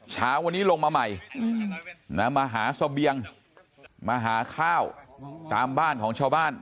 เช้าวันนี้ลงมาใหม่มาหาเสบียงมาหาข้าวตามบ้านของชาวบ้าน